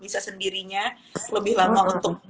bisa sendirinya lebih lama untuk